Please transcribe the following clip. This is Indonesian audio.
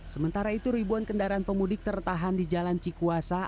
sementara itu ribuan kendaraan pemudik tertahan di jalan cikuasa